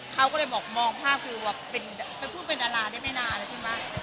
เขาก็เลยบอกมองภาพคือแบบเป็นผู้เป็นดาราได้ไม่นานแล้วใช่ไหม